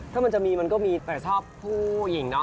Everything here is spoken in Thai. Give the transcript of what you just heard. แต่ชอบผู้หญิงเนอะ